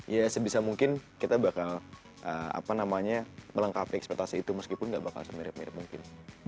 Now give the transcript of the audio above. ya sebisa mungkin kita bakal melengkapi ekspektasi itu meskipun gak bakal semirip mirip mungkin